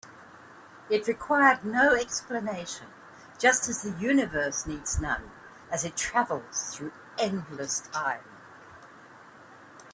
It required no explanation, just as the universe needs none as it travels through endless time.